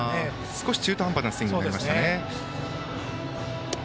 少し中途半端なスイングでしたね。